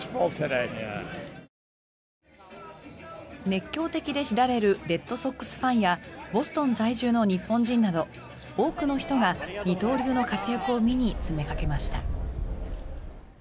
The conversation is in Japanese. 熱狂的で知られるレッドソックスファンやボストン在住の日本人など多くの人が二刀流の活躍を見に詰めかけました。